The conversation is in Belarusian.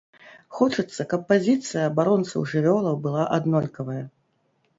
Хочацца, каб пазіцыя абаронцаў жывёлаў была аднолькавая.